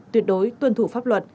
tuyệt đối tuân thủ pháp luật